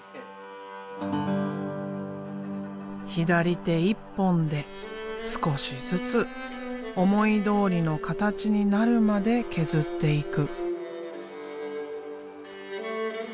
左手一本で少しずつ思いどおりの形になるまで削っていく。